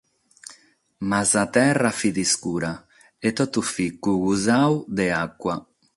Ma sa terra fit iscura, e totu fit cuguzadu de aba.